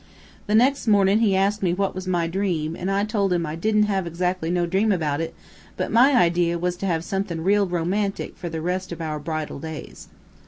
The nex' mornin' he asked me what was my dream, an' I told him I didn't have exactly no dream about it, but my idea was to have somethin' real romantic for the rest of our bridal days.